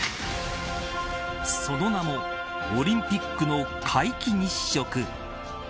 その名もオリンピックの皆既日食。